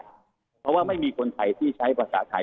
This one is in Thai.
เพราะว่าไม่มีคนไทยที่ใช้ภาษาไทย